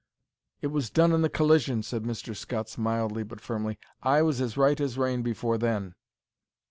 "It was done in the collision," said Mr. Scutts, mildly but firmly. "I was as right as rain before then."